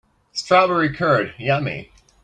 Strawberry curd, yummy!